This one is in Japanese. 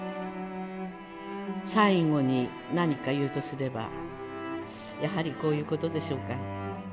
最後に何か言うとすればやはりこういうことでしょうか。